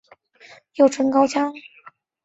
又称高腔。